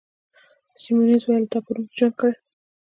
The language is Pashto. سیمونز وویل: تا په روم کي ژوند کړی؟